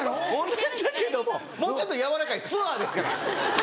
同じだけどももうちょっとやわらかいツアーですから。